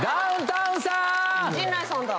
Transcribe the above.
陣内さんだ。